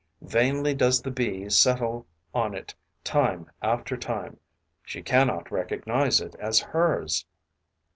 Vainly does the Bee settle on it time after time: she cannot recognize it as hers.